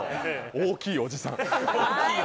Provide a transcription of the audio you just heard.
大きいおじさん。